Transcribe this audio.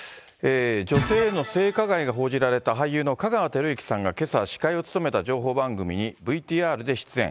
女性への性加害が報じられた、俳優の香川照之さんがけさ、司会を務めた情報番組にＶＴＲで出演。